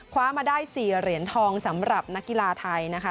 คว้ามาได้๔เหรียญทองสำหรับนักกีฬาไทยนะคะ